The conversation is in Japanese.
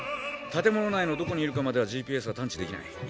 建物内のどこにいるかまではＧＰＳは探知できない。